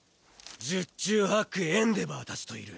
十中八九エンデヴァー達といる。